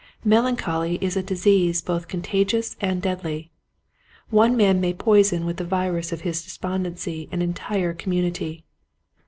Melan choly is a disease both contagious and deadly. One man may poison with the virus of his despondency an entire com munity.